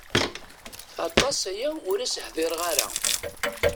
Aṭas aya ur as-hdireɣ ara.